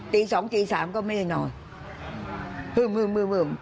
ตีสองตีสามก็ไม่ได้นอนฮึ่มฮึ่มฮึ่ม